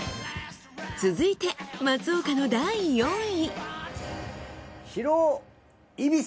続いて松岡の第４位。